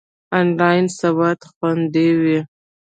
آنلاین سودا خوندی وی؟